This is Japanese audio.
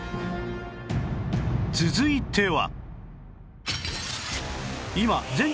続いては